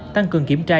tăng cường kiểm tra